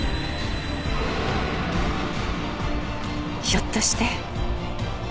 ひょっとして！